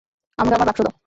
আমাকে আমার বাক্স দাও।